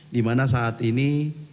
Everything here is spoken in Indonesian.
dimana saat ini